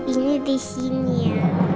ini disini ya